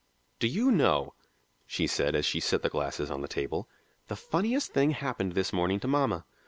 "Do you know," she said as she set the glasses on the table, "the funniest thing happened this morning to mamma.